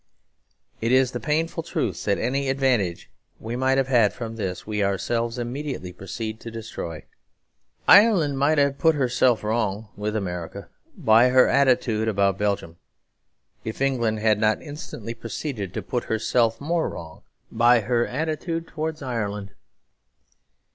It is the painful truth that any advantage we might have had from this we ourselves immediately proceeded to destroy. Ireland might have put herself wrong with America by her attitude about Belgium, if England had not instantly proceeded to put herself more wrong by her attitude towards Ireland.